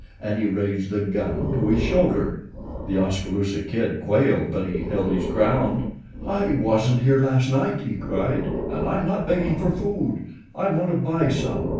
and he raised the gun to his shoulder. The Oskaloosa Kid quailed but he held his ground. "I wasn't here last night," he cried, "and I'm not begging for food I want to buy some.